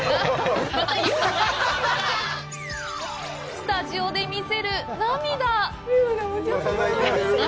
スタジオで見せる涙！